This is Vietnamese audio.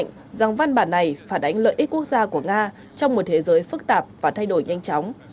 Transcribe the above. tổng thống putin cũng nhấn mạnh rằng văn bản này phản ánh lợi ích quốc gia của nga trong một thế giới phức tạp và thay đổi nhanh chóng